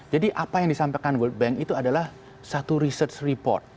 jadi apa yang disampaikan world bank itu adalah satu research report